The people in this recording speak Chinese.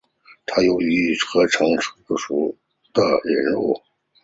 它用于有机合成中巯基的引入。